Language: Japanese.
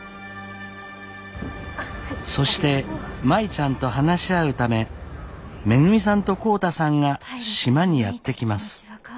そして舞ちゃんと話し合うためめぐみさんと浩太さんが島にやって来ます。